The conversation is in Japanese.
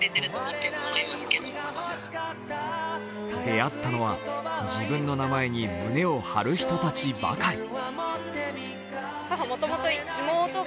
出会ったのは、自分の名前に胸を張る人たちばかり。